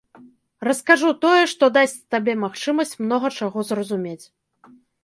Раскажу тое, што дасць табе магчымасць многа чаго зразумець.